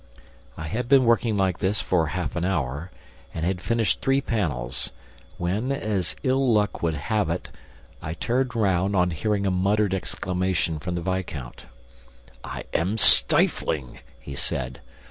I had been working like this for half an hour and had finished three panels, when, as ill luck would have it, I turned round on hearing a muttered exclamation from the viscount. "I am stifling," he said.